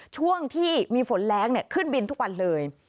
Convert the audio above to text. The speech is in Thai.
ช่วงที่มีฝนแรงขึ้นบินทุกวันเลย